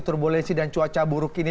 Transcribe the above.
turbulensi dan cuaca buruk ini